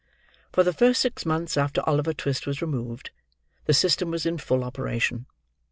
For the first six months after Oliver Twist was removed, the system was in full operation.